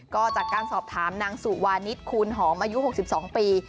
ก็จากการสอบถามนางสุวานิทคูณหอมอายุหกสิบสองปี